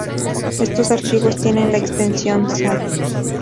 Estos archivos tiene la extensión.sat.